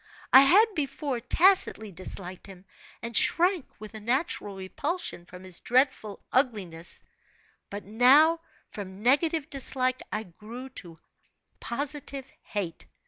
I had, before, tacitly disliked him, and shrank with a natural repulsion from his dreadful ugliness; but now, from negative dislike, I grew to positive hate.